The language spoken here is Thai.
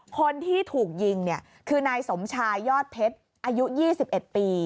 คนที่ถูกยิงเนี่ยคือนายสมชายยอดเพชรอายุ๒๑ปี